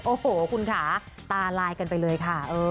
โอ้โหคุณค่ะตาลายกันไปเลยค่ะ